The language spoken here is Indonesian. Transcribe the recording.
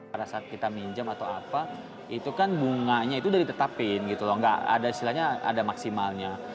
pada saat kita minjem atau apa itu kan bunganya itu udah ditetapin gitu loh nggak ada istilahnya ada maksimalnya